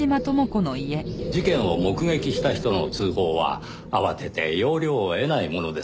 事件を目撃した人の通報は慌てて要領を得ないものです。